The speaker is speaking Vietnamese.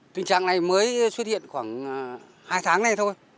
tình trạng này mới xuất hiện khoảng hai tháng nay thôi